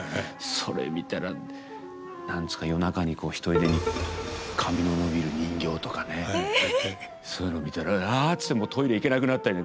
それ見たら何ですか夜中にひとりでに髪の伸びる人形とかねそういうの見たら「ああ」ってトイレ行けなくなったり。